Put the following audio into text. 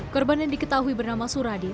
korban yang diketahui bernama suradi